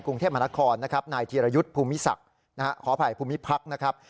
กรุงเทพมนาคมนายธิรยุทธ์ภูมิศักดิ์ขออภัยภูมิภักดิ์นะครับ